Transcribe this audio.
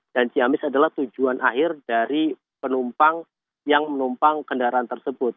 dan ciamis adalah tujuan akhir dari penumpang yang menumpang kendaraan tersebut